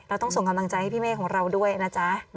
ต้องส่งกำลังใจให้พี่เมฆของเราด้วยนะจ๊ะ